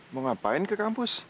mau ngapain ke kampus